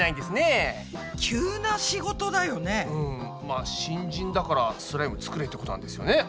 まあ新人だからスライム作れってことなんですよね。